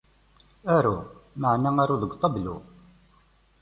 Aru, meεna aru deg uṭablu.